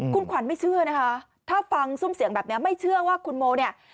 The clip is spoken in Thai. คุณขวัญไม่เชื่อนะคะถ้าฟังซุ่มเสียงแบบนี้ไม่เชื่อว่าคุณโมเนี่ย